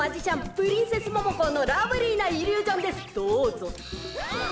プリンセスモモコーのラブリーなイリュージョンですどうぞ。